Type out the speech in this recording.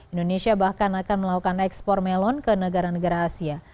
indonesia bahkan akan melakukan ekspor melon ke negara negara asia